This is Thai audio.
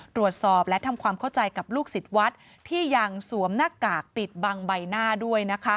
ตรวจสอบและทำความเข้าใจกับลูกศิษย์วัดที่ยังสวมหน้ากากปิดบังใบหน้าด้วย